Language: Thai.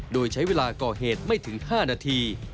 โดยใช้เวลาก่อเหตุไม่ถึง๕นาที